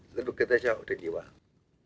lĩnh vực kinh tế châu âu trên nhiều bảng